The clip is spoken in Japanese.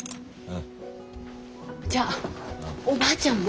じゃあおばあちゃんも。